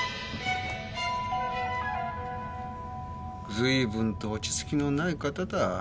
ずいぶんと落ち着きのない方だ。